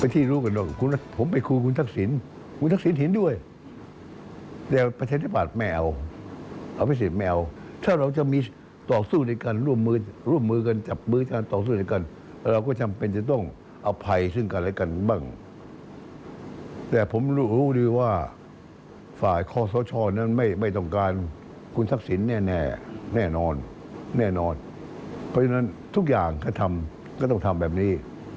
ทุกอย่างก็ต้องทำแบบนี้